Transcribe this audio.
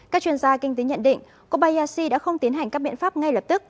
các chuyên gia kinh tế nhận định kobayashi đã không tiến hành các biện pháp ngay lập tức